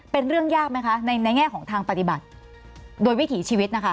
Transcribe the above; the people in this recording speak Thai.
เป็นเรื่องยากไหมคะในแง่ของทางปฏิบัติโดยวิถีชีวิตนะคะ